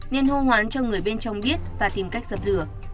nên hô hoán cho người bên trong biết và tìm cách dập lửa